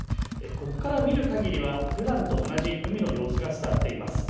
ここから見るかぎりはふだんと同じ海の様子が伝わっています。